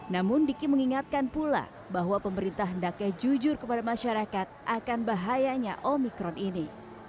namun diki mengingatkan pula bahwa pemerintah hendaknya jujur kepada masyarakat akan bahayanya omikron ini